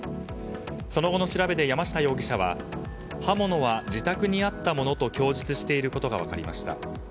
その後の調べで山下容疑者は刃物は自宅にあったものと供述していることが分かりました。